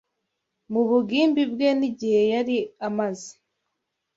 mu bugimbi bwe n’igihe yari amaze